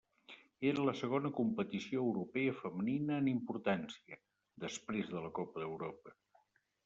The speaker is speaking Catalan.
Era la segona competició europea femenina en importància, després de la Copa d'Europa.